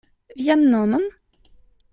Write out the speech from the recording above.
Vian monon?